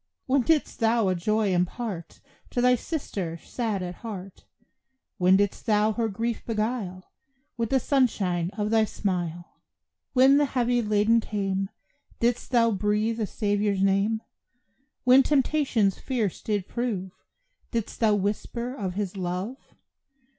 When didst thou a joy impart To thy sister, sad at heart! When didst thou her grief beguile With the sunshine of thy smile? When the heavy laden came Didst thou breathe a Saviour's name? When temptations fierce did prove Didst thou whisper of His love?